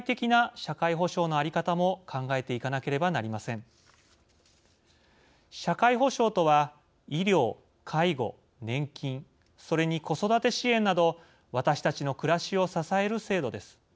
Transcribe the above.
社会保障とは医療・介護・年金それに子育て支援など私たちの暮らしを支える制度です。